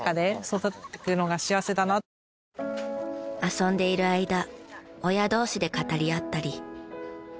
遊んでいる間親同士で語り合ったり。